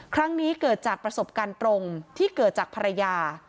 ครั้งนี้เกิดจากประสบการณ์ตรงที่เกิดจากภรรยา